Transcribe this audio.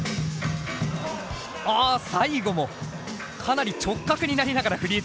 おっ最後もかなり直角になりながらフリーズ。